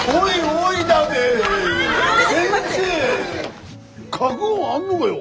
覚悟あんのがよ。